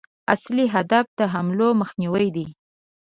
اصلي هدف د حملو مخنیوی دی.